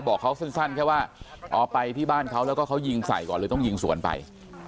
บอกเขาสั้นแค่ว่าอ๋อไปที่บ้านเขาแล้วก็เขายิงใส่ก่อนเลยต้องยิงสวนไป